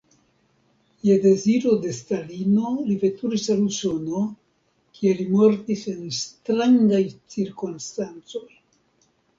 Je deziro de Stalino li veturis al Usono, kie li mortis en strangaj cirkonstancoj.